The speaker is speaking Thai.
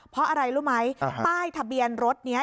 เพราะอะไรรู้ไหมป้ายทะเบียนรถนี้